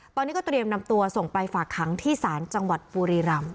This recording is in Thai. ตอนนี้ก็เตรียมนำตัวส่งไปฝากขังที่ศาลจังหวัดบุรีรำ